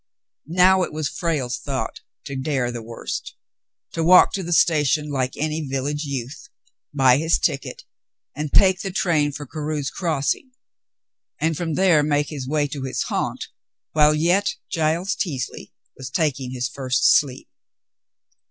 Now it was Frale's thought to dare the worst, — to walk to the station like any village youth, buy his ticket, and take the train for Carew's Crossing, and from there make his way to his haunt while yet Giles Teasley was taking his first sleep.